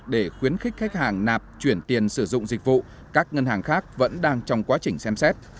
để khuyến khích khách hàng nạp chuyển tiền sử dụng dịch vụ các ngân hàng khác vẫn đang trong quá trình xem xét